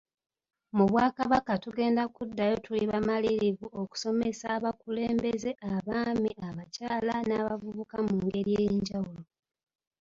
Mu Bwakabaka tugenda kuddayo tuli bamalirivu okusomesa abakulembeze, abaami, abakyala n'abavubuka mu ngeri ey'enjawulo.